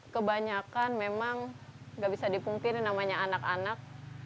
kebanyakan memang nggak bisa dipungkiri namanya anak anak